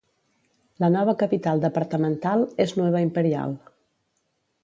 La nova capital departamental és Nueva Imperial.